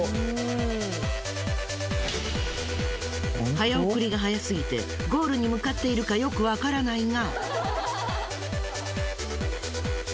早送りがはやすぎてゴールに向かっているかよくわからないが。